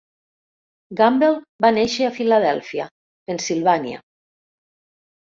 Gambel va néixer a Filadèlfia, Pennsilvània.